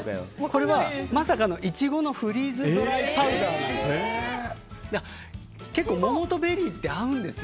これはまさかのイチゴのフリーズドライパウダーです。